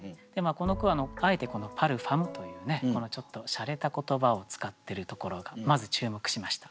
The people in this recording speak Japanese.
この句はあえて「パルファム」というねちょっとしゃれた言葉を使ってるところがまず注目しました。